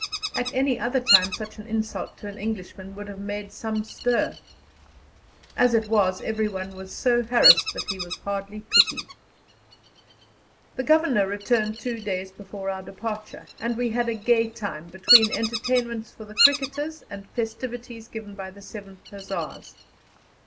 At any other time such an insult to an Englishman would have made some stir; as it was, everyone was so harassed that he was hardly pitied. The Governor returned two days before our departure, and we had a gay time, between entertainments for the cricketers and festivities given by the 7th Hussars.